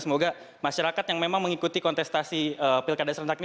semoga masyarakat yang memang mengikuti kontestasi pilkada serentak ini